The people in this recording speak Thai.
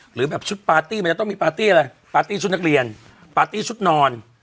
หรือแบบชุดปาร์ตี้มันจะต้องมีปาร์ตี้อะไรปาร์ตี้ชุดนักเรียนปาร์ตี้ชุดนอน